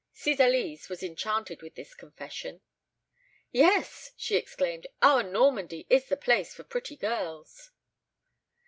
Cydalise was enchanted with this confession. "Yes," she exclaimed, "our Normandy is the place for pretty girls.